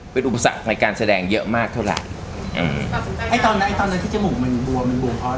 เป็นอุปสรรคในการแสดงเยอะมากเท่าไรอืมไอ้ตอนนั้นไอ้ตอนนั้นที่จมูกมันบัว